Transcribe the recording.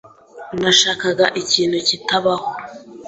Nashakaga ikintu kitabaho.